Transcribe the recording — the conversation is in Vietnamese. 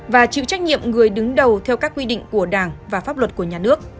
và chịu trách nhiệm người đứng đầu theo các quy định của đảng và pháp luật của nhà nước